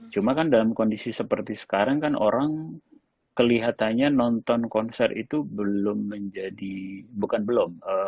cuma kan dalam kondisi seperti sekarang kan orang kelihatannya nonton konser itu belum menjadi bukan belum